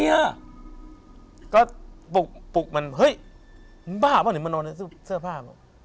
แล้วปลุ๊กมานรู้สึกมันกลอนมาสื้อผ้า